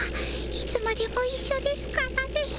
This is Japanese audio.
いつまでもいっしょですからね。